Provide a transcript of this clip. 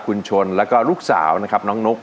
คุณชนแล้วก็ลูกสาวนะครับน้องนก